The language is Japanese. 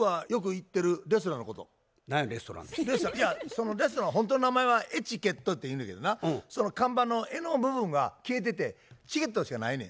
いやそのレストランほんとの名前は「エチケット」っていうんやけどな看板の「エ」の部分が消えてて「チケット」しかないねや。